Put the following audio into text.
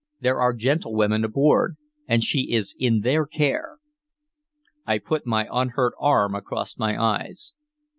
There are gentlewomen aboard, and she is in their care." I put my unhurt arm across my eyes.